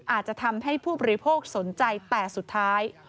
อาจจะทำให้ผู้บริโภคสนใจแต่สุดท้าย